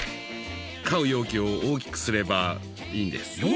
飼う容器を大きくすればいいんです。